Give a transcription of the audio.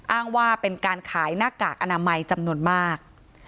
อ้างว่าเป็นการขายหน้ากากอนามัยจำนวนมาก